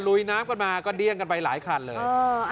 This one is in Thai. ลุยน้ำกันมาก็เดี้ยงกันไปหลายคันเลย